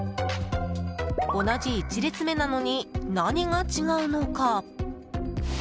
同じ１列目なのに何が違うのか？